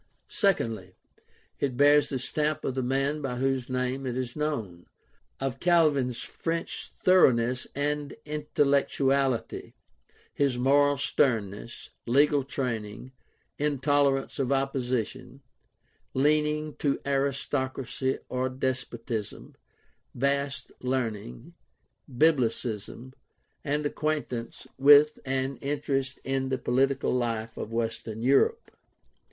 Secondly, it bears the stamp of the man by whose name it is known — of Calvin's French thoroughness and intellectu ality, his moral sternness, legal training, intolerance of opposi tion, leaning to aristocracy or despotism, vast learning, biblicism, and acquaintance with and interest in the political life of Western Europe.